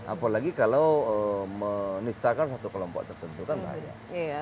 apalagi kalau menistarkan satu kelompok tertentu kan berbahaya